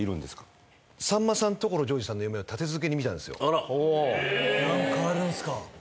あら何かあるんすか？